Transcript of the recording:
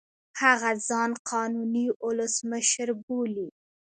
هغه ځان قانوني اولسمشر بولي.